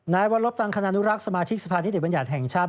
นายวรบตังคณุรักษ์สมาชิกสภานิติบัญญัติแห่งชาติ